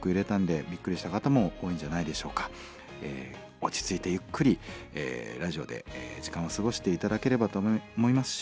落ち着いてゆっくりラジオで時間を過ごして頂ければと思いますし